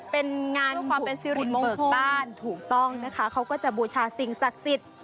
เป็นงานบุญเบิกบ้านถูกต้องนะคะเขาก็จะบูชาสิ่งศักดิ์สิทธิ์